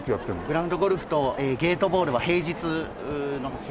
グラウンド・ゴルフとゲートボールは平日の昼間に。